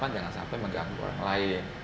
jangan sampai mengganggu orang lain